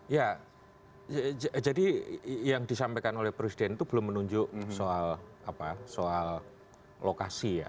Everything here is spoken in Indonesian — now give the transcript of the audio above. ya jadi yang disampaikan oleh presiden itu belum menunjuk soal lokasi ya